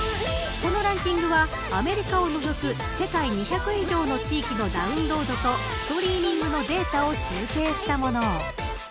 このランキングはアメリカを除く世界２００以上の地域のダウンロードとストリーミングのデータを集計したもの。